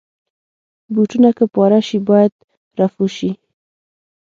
بوټونه که پاره شي، باید رفو شي.